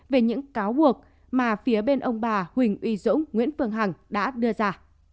về những cáo buộc mà phía bên ông bà huỳnh uy dũng nguyễn phương hằng đã đưa ra